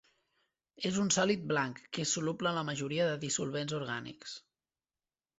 És un sòlid blanc que és soluble en la majoria dels dissolvents orgànics.